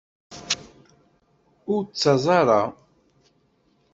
Ur d-ttaẓ ara.